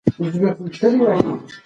د ټکر په حالت کي ځيني خلک زور کاروي.